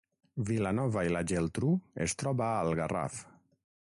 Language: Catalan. Vilanova i la Geltrú es troba al Garraf